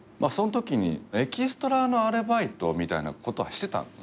そんときにエキストラのアルバイトみたいなことはしてた。